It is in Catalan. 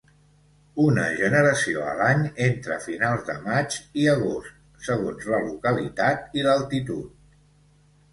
Una generació a l'any entre finals de maig i agost, segons la localitat i l'altitud.